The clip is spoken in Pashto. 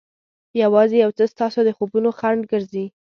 یوازې یو څه ستاسو د خوبونو خنډ ګرځي.